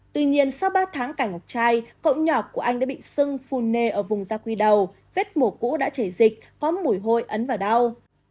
tuy nhiên sau ba tháng cảnh ngọc trai cậu nhỏ của anh đã bị sưng phu nề ở vùng da quy đầu vết mổ cũ đã chảy dịch có mùi hôi ấn vào đau